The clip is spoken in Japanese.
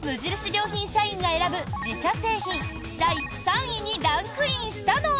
良品社員が選ぶ自社製品第３位にランクインしたのは。